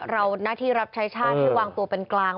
หน้าที่รับใช้ชาติให้วางตัวเป็นกลาง